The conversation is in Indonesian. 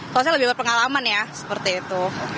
sosial lebih berpengalaman ya seperti itu